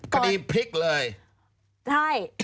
กระดีมพลิกเลย